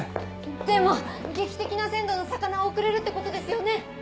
でも劇的な鮮度の魚を送れるってことですよね？